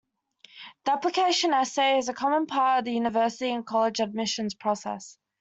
The application essay is a common part of the university and college admissions process.